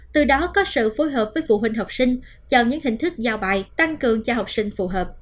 từ đó có sự phối hợp với phụ huynh học sinh chọn những hình thức giao bài tăng cường cho học sinh phù hợp